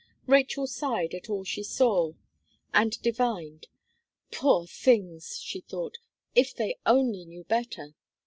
Rachel sighed at all she saw, and divined. "Poor things!" she thought, "if they only knew better."